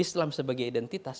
islam sebagai identitas